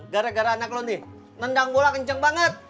gara gara anak lu nih nendang bola kenceng banget